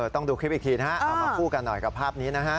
ต้องดูคลิปอีกทีนะฮะเอามาคู่กันหน่อยกับภาพนี้นะฮะ